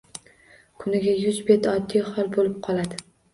Kuniga yuz bet oddiy hol boʻlib qoladi